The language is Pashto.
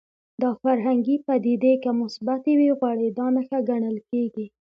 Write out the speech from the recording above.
دا فرهنګي پدیدې که مثبتې وي غوړېدا نښه ګڼل کېږي